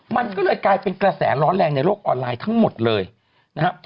มันก็เลยกลายเป็นกระแสร้อนแรงในโลกออนไลน์ทั้งหมดเลยนะครับ